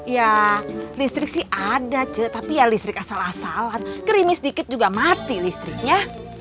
ya listrik sih ada cek tapi ya listrik asal asalan kerimis dikit juga mati listriknya